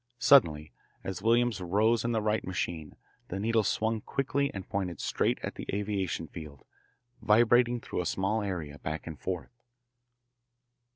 Suddenly, as Williams rose in the Wright machine, the needle swung quickly and pointed straight at the aviation field, vibrating through a small area, back and forth.